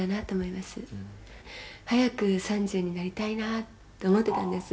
「早く３０になりたいなと思ってたんです」